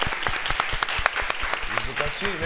難しいね。